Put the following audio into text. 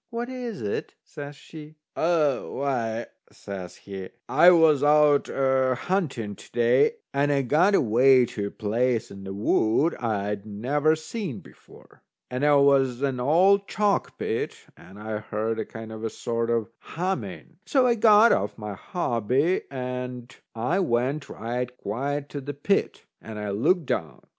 "What is it?" says she. "A why," says he, "I was out a hunting to day, and I got away to a place in the wood I'd never seen before. And there was an old chalk pit. And I heard a kind of a sort of humming. So I got off my hobby, and I went right quiet to the pit, and I looked down.